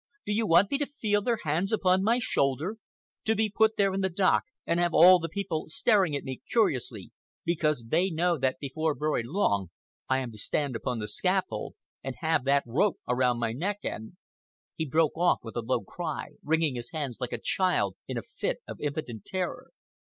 Do you want me to feel their hands upon my shoulder, to be put there in the dock and have all the people staring at me curiously because they know that before very long I am to stand upon the scaffold and have that rope around my neck and—" He broke off with a low cry, wringing his hands like a child in a fit of impotent terror.